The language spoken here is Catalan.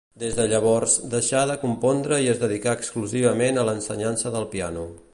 Des de llavors, deixà de compondre i es dedicà exclusivament a l'ensenyança del piano.